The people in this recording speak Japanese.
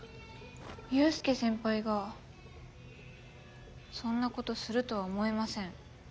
雄亮先輩がそんな事するとは思えません。